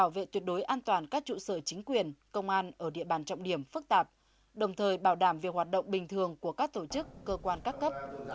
tuyệt đối an toàn các trụ sở chính quyền công an ở địa bàn trọng điểm phức tạp đồng thời bảo đảm việc hoạt động bình thường của các tổ chức cơ quan các cấp